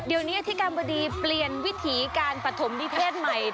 เดี๋ยวนี้อธิกรรมบดีเปลี่ยนวิถีการปฐมนิเทศใหม่